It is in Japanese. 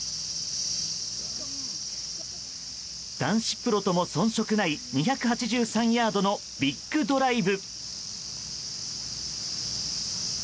男子プロとも遜色ない２８３ヤードのビッグドライブ。